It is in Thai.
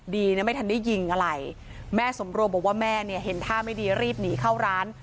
ดีนะไม่ทันได้ยิงอะไรแม่สมรวมบอกว่าแม่เนี่ยเห็นท่าไม่ดีรีบหนีเข้าร้าน